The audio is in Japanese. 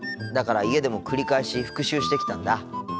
だから家でも繰り返し復習してきたんだ。